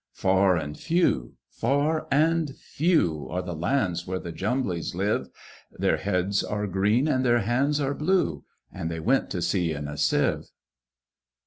Far and few, far and few, Are the lands where the Jumblies live; Their heads are green, and their hands are blue, And they went to sea in a Sieve.